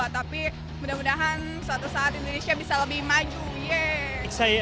tapi mudah mudahan suatu saat indonesia bisa lebih maju yeay